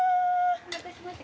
お待たせしました。